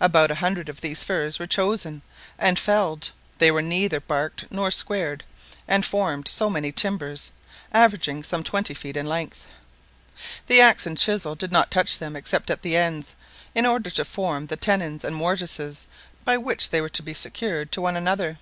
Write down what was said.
About a hundred of these firs were chosen and felled they were neither barked nor squared and formed so many timbers, averaging some twenty feet in length. The axe and the chisel did not touch them except at the ends, in order to form the tenons and mortises by which they were to be secured to one another.